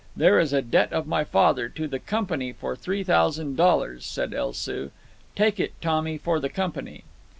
"There is a debt of my father to the Company for three thousand dollars," said El Soo. "Take it, Tommy, for the Company.